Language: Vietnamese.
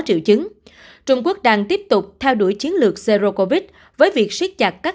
triệu chứng trung quốc đang tiếp tục theo đuổi chiến lược zero covid với việc siết chặt các